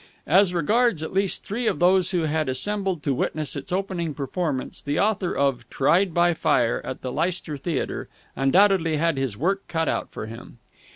As regards at least three of those who had assembled to witness its opening performance, the author of "Tried by Fire," at the Leicester Theatre, undoubtedly had his work cut out for him.